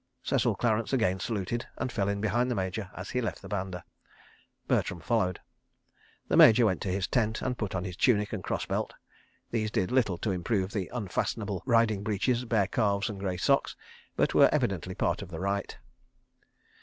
..." Cecil Clarence again saluted, and fell in behind the Major as he left the banda. Bertram followed. The Major went to his tent and put on his tunic and cross belt. These did little to improve the unfastenable riding breeches, bare calves and grey socks, but were evidently part of the rite.